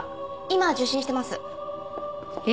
今受信してます。